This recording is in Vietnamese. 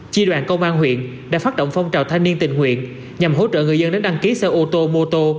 chi đoàn công an huyện đã phát động phong trào thanh niên tình nguyện nhằm hỗ trợ người dân đến đăng ký xe ô tô mô tô